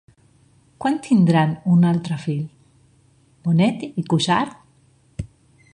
Quan tindran un altre fill Bonet i Cuixart?